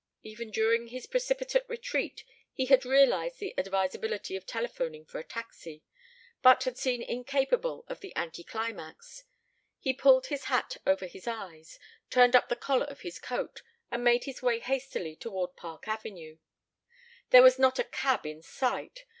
Even during his precipitate retreat he had realized the advisability of telephoning for a taxi, but had been incapable of the anti climax. He pulled his hat over his eyes, turned up the collar of his coat, and made his way hastily toward Park Avenue. There was not a cab in sight.